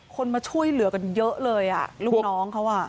คนมาช่วยเหลือกันเยอะเลยอ่ะลูกน้องเขาอ่ะ